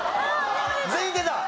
全員出た！